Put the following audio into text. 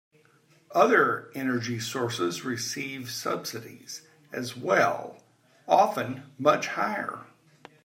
Other energy sources receive subsidies as well, often much higher.